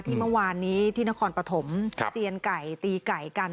เมื่อวานนี้ที่นครปฐมเซียนไก่ตีไก่กัน